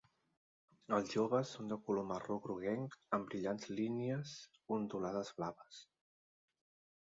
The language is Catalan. Els joves són de color marró groguenc amb brillants línies ondulades blaves.